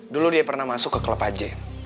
dulu dia pernah masuk ke klub aj